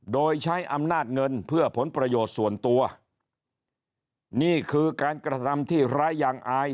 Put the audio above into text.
โดยใช้อำนาจเงินเพื่อผลประโยชน์ส่วนตัวนี่คือการกระทำที่ร้ายยางอาย